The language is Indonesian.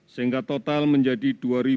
sehingga total menjadi dua dua ratus tujuh puluh tiga